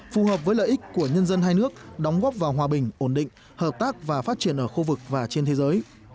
phù hợp với lợi ích của nhân dân hai nước đóng góp vào hòa bình ổn định hợp tác và phát triển ở khu vực và trên thế giới